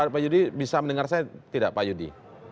pak yudi bisa mendengar saya tidak pak yudi